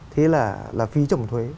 thế là phí trồng thuế